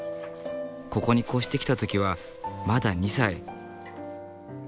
ここに越してきた時はまだ２歳。